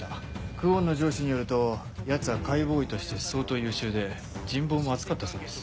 久遠の上司によるとヤツは解剖医として相当優秀で人望も厚かったそうです。